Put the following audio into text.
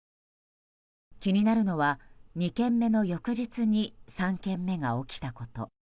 気になるのは、２件目の翌日に３件目が起きたこと。